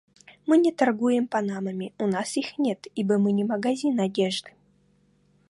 Мы не торгуем панамами. У нас их нет, ибо мы не магазин одежды.